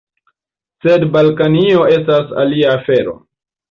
Sed Balkanio estas alia afero.